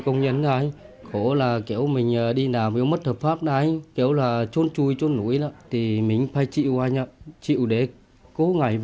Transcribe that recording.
chuộc anh về nước